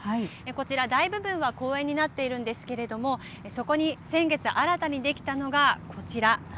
こちら、大部分は公園になっているんですけれどもそこに先月新たにできたのがこちら。